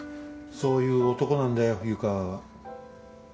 そういう男なんだよ湯川は。